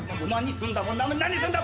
何すんだ？